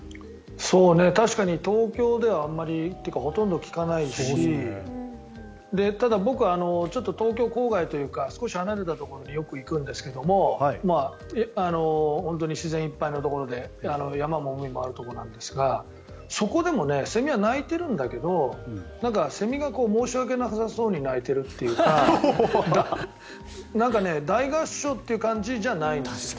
確かに東京ではあまりというかほとんど聞かないしただ、僕はちょっと東京郊外というか少し離れたところによく行くんですが本当に自然いっぱいのところで山も海もあるところなんですがそこでもセミは鳴いているんだけどセミが申し訳なさそうに鳴いているというかなんか大合唱という感じじゃない。